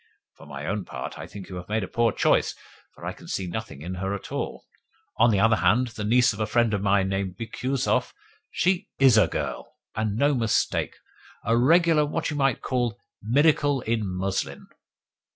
For my own part, I think you have made a poor choice, for I can see nothing in her at all. On the other hand, the niece of a friend of mine named Bikusov she IS a girl, and no mistake! A regular what you might call 'miracle in muslin!